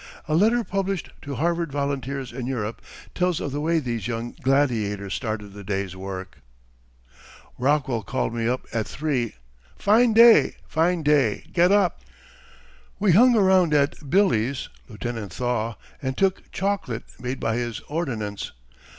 A letter published in Harvard Volunteers in Europe tells of the way these young gladiators started the day's work: Rockwell called me up at three: "Fine day, fine day, get up!" It was very clear. We hung around at Billy's [Lieutenant Thaw] and took chocolate made by his ordonnance.